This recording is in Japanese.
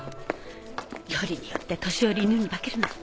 よりによって年寄り犬に化けるなんて。